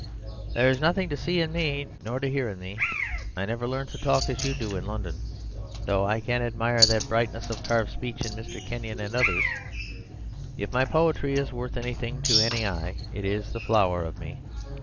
"There is nothing to see in me; nor to hear in me. I never learned to talk as you do in London; although I can admire that brightness of carved speech in Mr. Kenyon and others. If my poetry is worth anything to any eye, it is the flower of me.